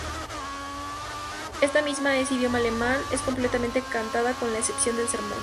Esta misa en idioma alemán, es completamente cantada con la excepción del sermón.